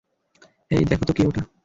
হেই, দেখ তো কে ওটা।